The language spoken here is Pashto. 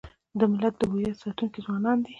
د ملت د هویت ساتونکي ځوانان دي.